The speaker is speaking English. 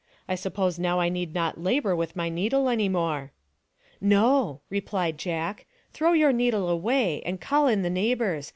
I suppose now I need not labor with my needle any more." " No," replied Jack, " throw your needle away and call in the neighbors.